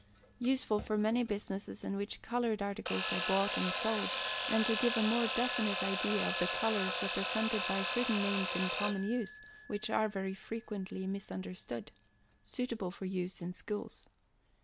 Useful for many businesses in which coloured articles are bought and sold, and to give a more definite idea of the colours represented by certain names in common use, which are very frequently misunderstood. SUITABLE FOR USE IN SCHOOLS.